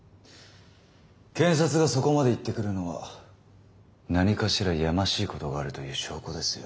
検察がそこまで言ってくるのは何かしらやましいことがあるという証拠ですよ。